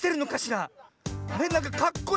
なんかかっこいい。